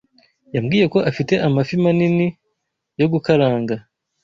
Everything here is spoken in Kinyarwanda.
Yambwiye ko afite amafi manini yo gukaranga.